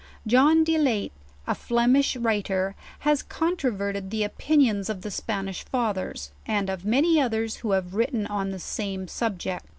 John de Laet, a Flemish writer, has controverted the opinions of the Span ish fathers, and of many others who have writen on the same subject.